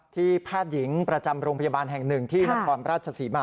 แพทย์หญิงประจำโรงพยาบาลแห่งหนึ่งที่นครราชศรีมา